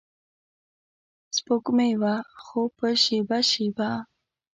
سپوږمۍ وه خو په شیبه شیبه